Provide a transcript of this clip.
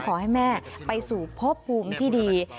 ขอให้แม่ไปสู่พบภูมิที่ดี